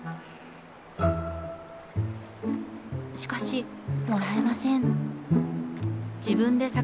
しかしもらえません。